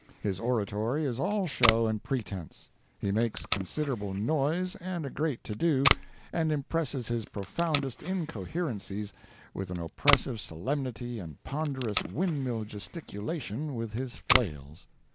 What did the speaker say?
His oratory is all show and pretense; he makes considerable noise and a great to do, and impresses his profoundest incoherencies with an oppressive solemnity and ponderous windmill gesticulations with his flails.